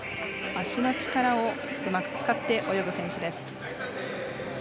足の力をうまく使って泳ぐ選手。